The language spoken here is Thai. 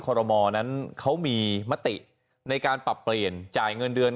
รมอนั้นเขามีมติในการปรับเปลี่ยนจ่ายเงินเดือน